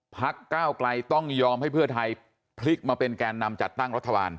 พักก้าวไกลต้องยอมให้เพื่อไทยพลิกมาเป็นแกนนำจัดตั้งรัฐบาล